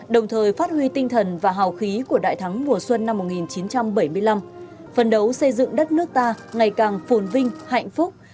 đồng thời phát huy tinh thần và hào khí của đại thắng mùa xuân năm một nghìn chín trăm bảy mươi năm phần đấu xây dựng đất nước ta ngày càng phồn vinh hạnh phúc